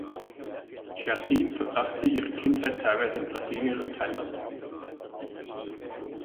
Jardine verbrachte ihre Kindheit teilweise in Brasilien und Thailand.